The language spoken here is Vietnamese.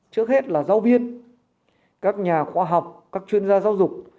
trước hết là giáo viên các nhà khoa học các chuyên gia giáo dục